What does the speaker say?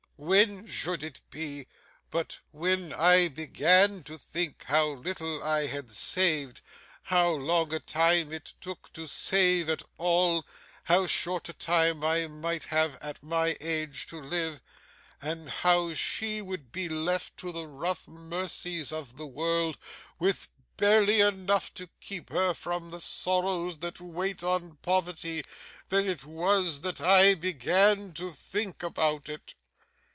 When should it be, but when I began to think how little I had saved, how long a time it took to save at all, how short a time I might have at my age to live, and how she would be left to the rough mercies of the world, with barely enough to keep her from the sorrows that wait on poverty; then it was that I began to think about it.